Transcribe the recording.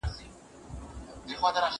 زه مخکي انځورونه رسم کړي وو،